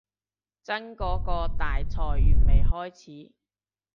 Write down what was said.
真嗰個大裁員未開始